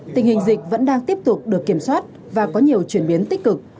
tình hình dịch vẫn đang tiếp tục được kiểm soát và có nhiều chuyển biến tích cực